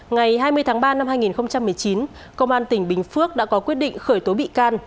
ngày hai mươi tháng ba năm hai nghìn một mươi chín công an tỉnh bình phước đã có quyết định khởi tố bị can